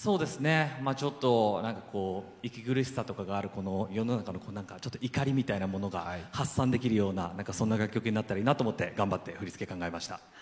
ちょっと息苦しさとかがある世の中の怒りみたいなものが発散できるような楽曲になったらいいなと思って振り付け頑張りました。